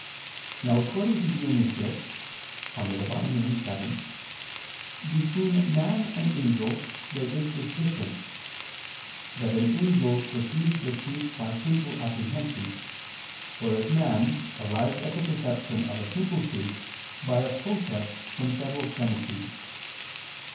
Now according to Dionysius (Div. Nom. vii) between man and angel there is this difference, that an angel perceives the truth by simple apprehension, whereas man arrives at the perception of a simple truth by a process from several premises.